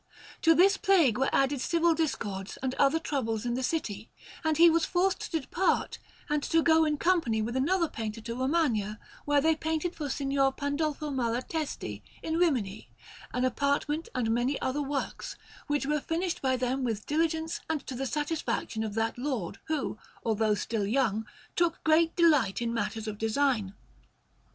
To this plague were added civil discords and other troubles in the city, and he was forced to depart and to go in company with another painter to Romagna, where they painted for Signor Pandolfo Malatesti, in Rimini, an apartment and many other works, which were finished by them with diligence and to the satisfaction of that Lord, who, although still young, took great delight in matters of design.